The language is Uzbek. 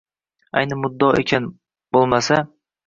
–Ayni muddao ekan bo’lmasa…